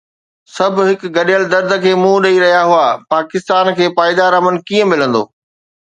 سڀ هڪ گڏيل درد کي منهن ڏئي رهيا هئا: پاڪستان کي پائيدار امن ڪيئن ملندو؟